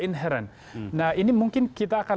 inherent nah ini mungkin kita akan